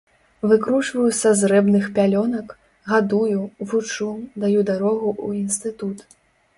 Выкручваю са зрэбных пялёнак, гадую, вучу, даю дарогу ў інстытут.